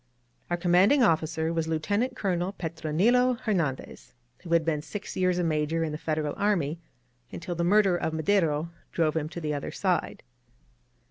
Our commanding officer was Lieutenant Colonel Petronilo Hernandez, who had been six years a Major in the Federal army until the murder of Madero drove him to the other side.